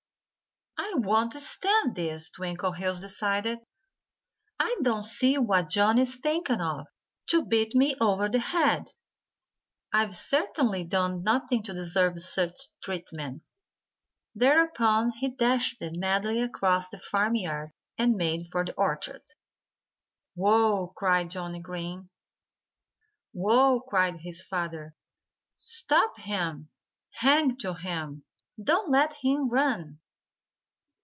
"I won't stand this," Twinkleheels decided. "I don't see what Johnnie is thinking of, to beat me over the head. I've certainly done nothing to deserve such treatment." Thereupon he dashed madly across the farmyard and made for the orchard. "Whoa!" cried Johnnie Green. "Whoa!" cried his father. "Stop him! Hang to him! Don't let him run!"